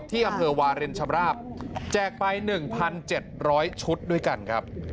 ที่อเผลอวาเล็นชะบราบแจกไป๑๗๐๐ชุดด้วยกันครับ